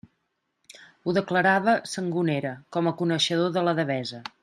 Ho declarava Sangonera, com a coneixedor de la Devesa.